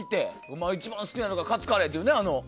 今一番好きなのがカツカレーって。